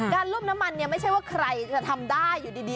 ลุ่มน้ำมันเนี่ยไม่ใช่ว่าใครจะทำได้อยู่ดี